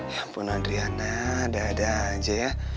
ya ampun andriana ada ada aja ya